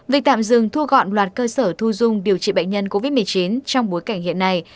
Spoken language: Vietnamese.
việc tạm dừng thu gọn loạt cơ sở thu dung điều trị bệnh nhân covid một mươi chín trong bối cảnh hiện nay